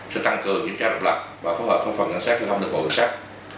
sở tăng cường kiểm tra độc lập và phối hợp với phần cảnh sát truyền thông lịch vụ hướng sách